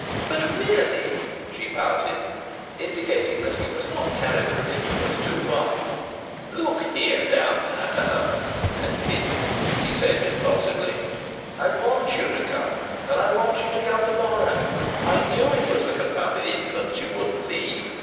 "But really " she pouted, indicating that he must not carry the ridiculous too far. "Look here, d n it," he said impulsively, "I want you to come. And I want you to come to morrow. I knew it was the confounded infants you wouldn't leave.